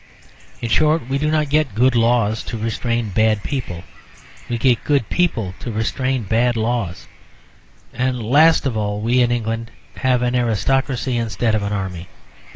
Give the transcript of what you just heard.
In short, we do not get good laws to restrain bad people. We get good people to restrain bad laws. And last of all we in England have an aristocracy instead of an Army.